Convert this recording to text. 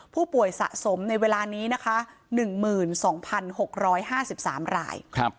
ผู้ป่วยสะสมในเวลานี้นะคะหนึ่งหมื่นสองพันหกร้อยห้าสิบสามรายครับ